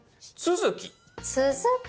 「続き」。